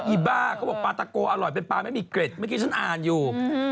อ้าเขาบอกปลาตะโกอร่อยเป็นปลาไม่มีเกร็ดเมื่อกี้ฉันอ่านอยู่